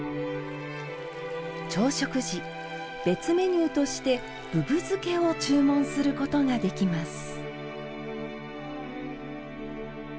朝食時、別メニューとしてぶぶ漬けを注文することができます。